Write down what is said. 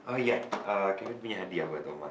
oh iya kevin punya hadiah buat oma